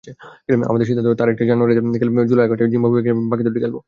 আমাদের সিদ্ধান্ত, তার একটি জানুয়ারিতে খেলে জুলাই-আগস্টে জিম্বাবুয়ে গিয়ে বাকি দুটি খেলব।